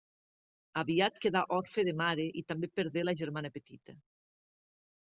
Aviat quedà orfe de mare i també perdé la germana petita.